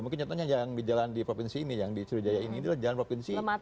mungkin contohnya yang di jalan di provinsi ini yang di sriwijaya ini adalah jalan provinsi